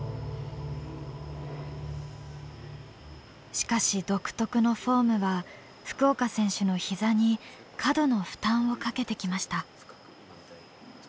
しかし独特のフォームは福岡選手の膝に過度の負担をかけてきました。